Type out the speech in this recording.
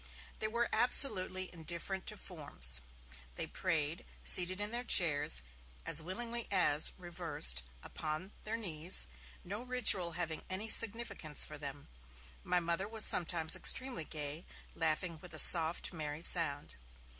They were absolutely indifferent to forms. They prayed, seated in their chairs, as willingly as, reversed, upon their knees; no ritual having any significance for them. My Mother was sometimes extremely gay, laughing with a soft, merry sound.